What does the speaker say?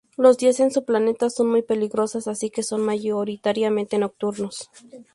Los días en su planeta son muy peligrosos, así que son mayoritariamente nocturnos.